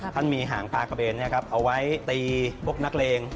ท่านมีหางปลากระเบนเอาไว้ตีพวกนักเลง